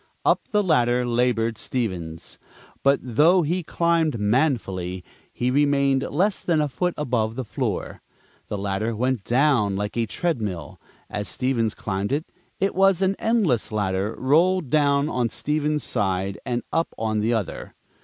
Up the ladder labored Stevens, but, though he climbed manfully, he remained less than a foot above the floor. The ladder went down like a treadmill, as Stevens climbed it was an endless ladder rolled down on Stevens' side and up on the other.